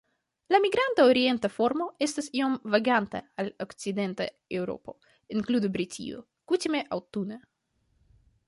La migranta orienta formo estas iom vaganta al okcidenta Eŭropo, inklude Britio, kutime aŭtune.